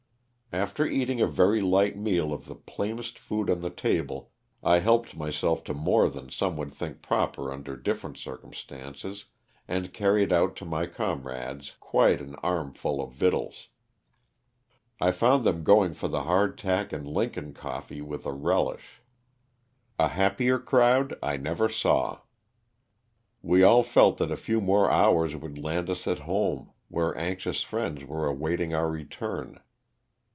After eating a very light meal of the plainest food on the table, I helped myself to more than some would think proper under different circum LOSS OF THE SULTANA. 77 stances and carried out to my comrades quite an arm ful of victuals. I found them going for the hard tack and " Lincoln " coffee with a relish. A happier crowd I never saw ; we all felt that a few more hours woulr' land us at home where anxious friends were awaiting our return.